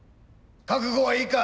覚悟はいいか？